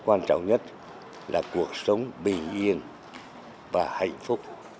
quan trọng nhất là cuộc sống bình yên và hạnh phúc